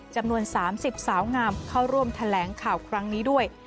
จำนวน๓๐สาวงามเข้าร่วมแถลงข่าวครั้งนี้ด้วย